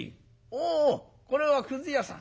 「おおこれはくず屋さん。